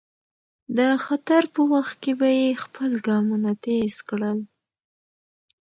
د خطر په وخت کې به یې خپل ګامونه تېز کړل.